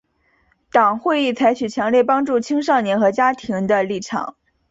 党会议采取强烈帮助青少年和家庭的立场。